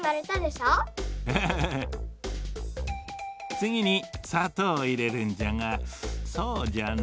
つぎにさとうをいれるんじゃがそうじゃな